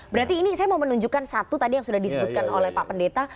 berarti ini saya mau menunjukkan satu tadi yang sudah disebutkan oleh pak pendeta